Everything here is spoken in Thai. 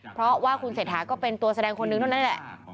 เพราะว่าคุณเศรษฐาก็เป็นตัวแสดงคนนึงเท่านั้นแหละ